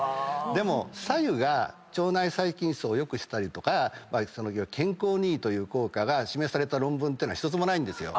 でも白湯が腸内細菌叢を良くしたりとか健康にいいという効果が示された論文ってのは１つもないんですよ。